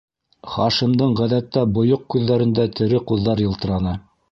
Хашимдың ғәҙәттә бойоҡ күҙҙәрендә тере ҡуҙҙар йылтыраны: